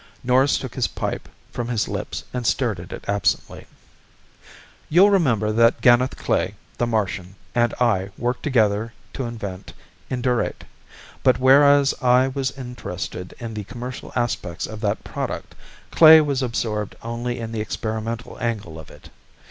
Norris took his pipe from his lips and stared at it absently. "You'll remember that Ganeth Klae, the Martian, and I worked together to invent Indurate. But whereas I was interested in the commercial aspects of that product, Klae was absorbed only in the experimental angle of it.